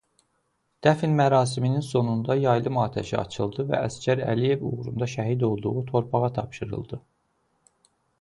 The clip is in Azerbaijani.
Dəfn mərasiminin sonunda yaylım atəşi açıldı və əsgər Əliyev uğrunda şəhid olduğu torpağa tapşırıldı.